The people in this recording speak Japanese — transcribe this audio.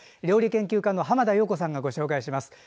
料理研究家で栄養士の浜田陽子さんがご紹介します。